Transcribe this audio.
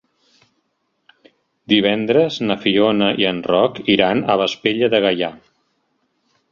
Divendres na Fiona i en Roc iran a Vespella de Gaià.